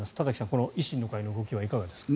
この維新の会の動きはいかがですか。